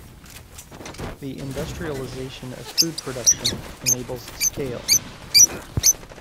The industrialization of food production enables scale.